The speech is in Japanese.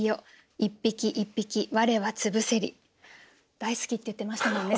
大好きって言ってましたもんね